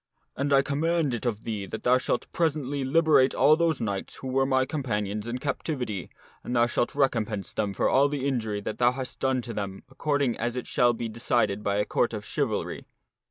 And I com mand it of thee that thou shalt presently liberate all those knights who were my companions in captivity, and thou shalt recompense them for all the injury that thou hast done to them according as it shall be decided by a Court of Chivalry."